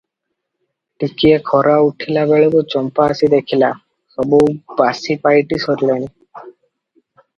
ଟିକିଏ ଖରା ଉଠିଲା ବେଳକୁ ଚମ୍ପା ଆସି ଦେଖିଲା, ସବୁ ବାସି ପାଇଟି ସରିଲାଣି ।